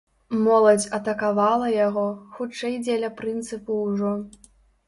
Моладзь атакавала яго, хутчэй дзеля прынцыпу ўжо.